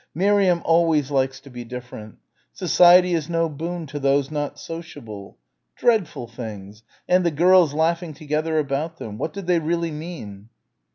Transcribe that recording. "Miriam always likes to be different" "Society is no boon to those not sociable." Dreadful things ... and the girls laughing together about them. What did they really mean?